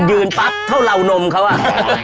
ยืนปั๊บเท่าเลานมเขาอ่ะ